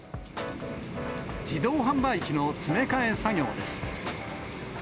自動販売機の詰め替え作業です。